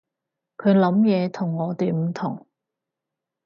佢諗嘢同我哋唔同